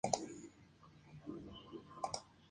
Hay una pequeña cruz de metal en la cumbre.